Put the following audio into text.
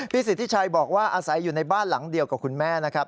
สิทธิชัยบอกว่าอาศัยอยู่ในบ้านหลังเดียวกับคุณแม่นะครับ